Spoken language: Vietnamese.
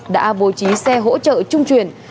đã bố trí xe hỗ trợ chung chuyển